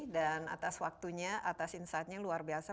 dan atas waktunya atas insightnya luar biasa